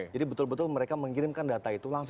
jadi betul betul mereka mengirimkan data itu langsung